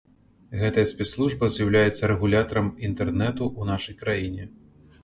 Гэтая спецслужба з'яўляецца рэгулятарам інтэрнэту ў нашай краіне.